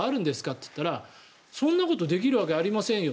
と言ったらそんなことできるわけありませんよ